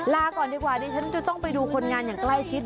ลาก่อนดีกว่าดิฉันจะต้องไปดูคนงานอย่างใกล้ชิด